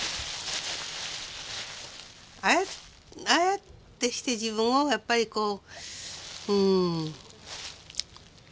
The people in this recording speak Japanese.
ああやってして自分をやっぱりこう。